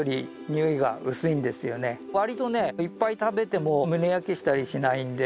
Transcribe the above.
割とねいっぱい食べても胸焼けしたりしないので。